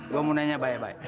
gue mau nanya baik baik